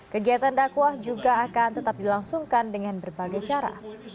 kegiatan dakwah juga akan tetap dilangsungkan dengan berbagai cara